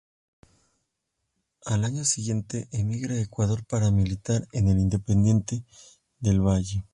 Al año siguiente emigra a Ecuador para militar en el Independiente del Valle.